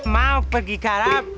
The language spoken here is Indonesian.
mau pergi karam